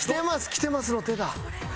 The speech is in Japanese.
きてますの手だ。